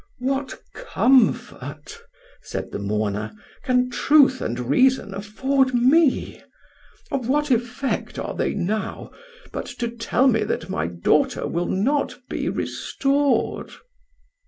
"What comfort," said the mourner, "can truth and reason afford me? Of what effect are they now, but to tell me that my daughter will not be restored?"